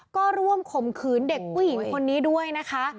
ก็ร่วมข่มขืนเด็กผู้หญิงคนนี้ด้วยนะคะ